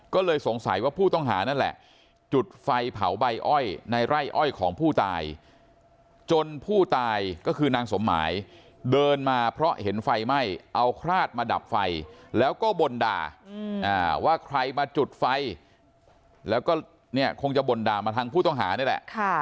ก็เลยสงสัยว่าผู้ต้องหานั่นแหละจุดไฟเผาใบอ้อยในไร่อ้อยของผู้ตายจนผู้ตายก็คือนางสมหมายเดินมาเพราะเห็นไฟไหม้เอาคราดมาดับไฟแล้วก็บ่นด่าว่าใครมาจุดไฟแล้วก็เนี่ยคงจะบ่นด่ามาทางผู้ต้องหานี่แหละ